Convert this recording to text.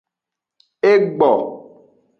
Egbo.